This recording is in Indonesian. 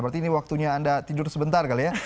berarti ini waktunya anda tidur sebentar kali ya